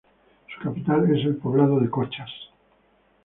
Su capital es el poblado de Cochas.